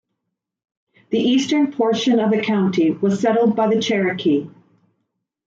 The eastern portion of the county was settled by the Cherokee.